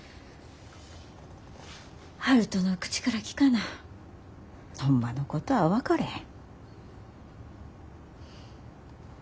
悠人の口から聞かなホンマのことは分かれへん。